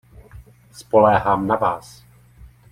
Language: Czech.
Spoléhám na vás.